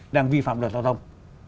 đang vi phạm được giao thông